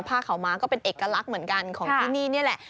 ผ้าขาวม้าก็เป็นเอกลักษณ์เหมือนกันของที่นี่นี่แหละ